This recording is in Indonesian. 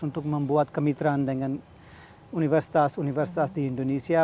untuk membuat kemitraan dengan universitas universitas di indonesia